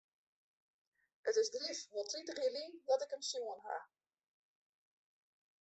It is grif wol tritich jier lyn dat ik him sjoen ha.